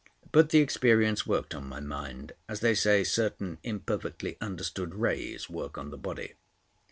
But the experience worked on my mind, as they say certain imperfectly understood rays work on the body.